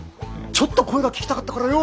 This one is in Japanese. ちょっと声が聞きたかったからよ。